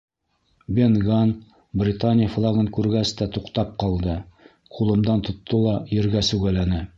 Бен Ганн Британия флагын күргәс тә туҡтап ҡалды, ҡулымдан тотто ла ергә сүгәләне.